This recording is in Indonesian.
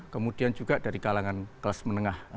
kemudian juga dari kalangan kelas menengah